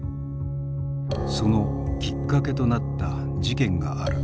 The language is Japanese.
そのきっかけとなった事件がある。